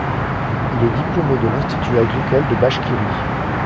Il est diplômé de l'Institut agricole de Bachkirie.